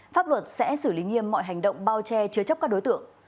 pháp luật sẽ xử lý nghiêm mọi hành động bao che chứa chấp các đối tượng